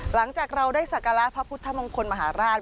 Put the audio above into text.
หลังจากเราได้สักการะพระพุทธมงคลมหาราช